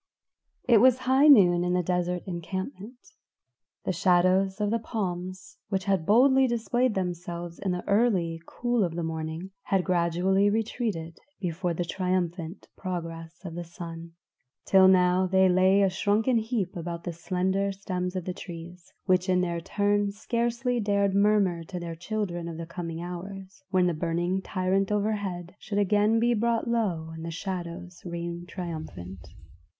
It was high noon in the desert encampment. The shadows of the palms, which had boldly displayed themselves in the early cool of the morning, had gradually retreated before the triumphant progress of the sun, till now they lay a shrunken heap about the slender stems of the trees, which in their turn scarcely dared murmur to their children of the coming hours, when the burning tyrant overhead should again be brought low and the shadows reign triumphant.